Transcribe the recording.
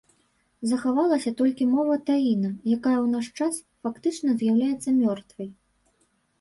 Захавалася толькі мова таіна, якая ў наш час фактычна з'яўляецца мёртвай.